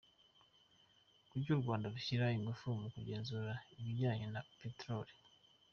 Kuki u Rwanda rushyira ingufu mu kugenzura ibijyanye na Peteroli?.